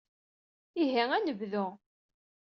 Ihi ad nebdu.